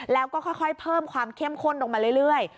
แล้วก็ค่อยเพิ่มความเข้มข้นลงมาเรื่อย